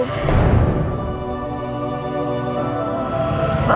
pak ustaz maafin pak ucup